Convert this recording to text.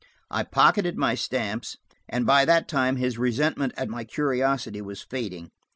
I pocketed my stamps, and by that time his resentment at my curiosity was fading.